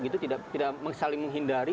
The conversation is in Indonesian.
tidak saling menghindari